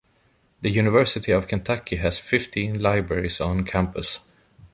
The University of Kentucky has fifteen libraries on campus.